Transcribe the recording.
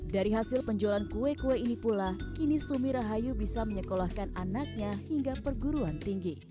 dari hasil penjualan kue kue ini pula kini sumi rahayu bisa menyekolahkan anaknya hingga perguruan tinggi